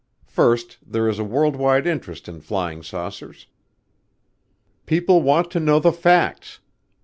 First, there is world wide interest in flying saucers; people want to know the facts.